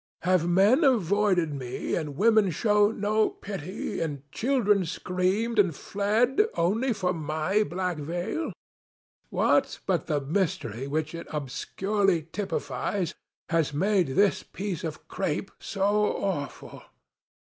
Have men avoided me and women shown no pity and children screamed and fled only for my black veil? What but the mystery which it obscurely typifies has made this piece of crape so awful?